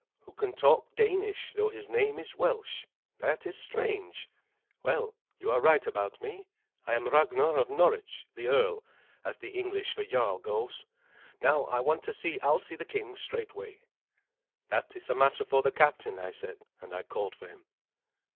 "Who can talk Danish though his name is Welsh. That is strange. Well, you are right about me. I am Ragnar of Norwich, the earl, as the English for jarl goes. Now I want to see Alsi the king straightway." "That is a matter for the captain," I said, and I called for him.